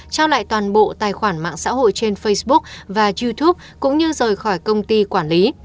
trao lại toàn bộ tài khoản mạng xã hội trên facebook và youtube cũng như rời khỏi công ty quản lý